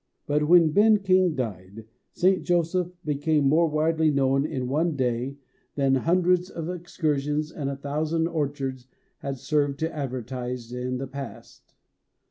But when Ben King died, JSt. Joseph became more widely known in one day than hundreds of excursions and a thousand orchards had served to advertise it in the past.